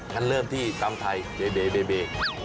กันเริ่มที่ตำไทยเบเบเบเบ